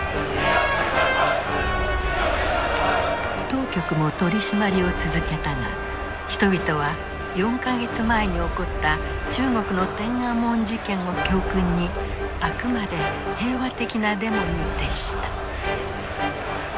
当局も取締りを続けたが人々は４か月前に起こった中国の天安門事件を教訓にあくまで平和的なデモに徹した。